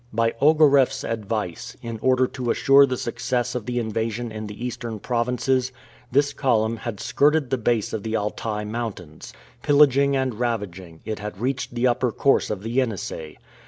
By Ogareff's advice, in order to assure the success of the invasion in the Eastern provinces, this column had skirted the base of the Altai Mountains. Pillaging and ravaging, it had reached the upper course of the Yenisei.